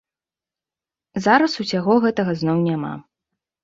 Зараз усяго гэта зноў няма.